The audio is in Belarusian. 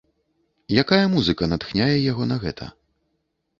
Якая музыка натхняе яго на гэта?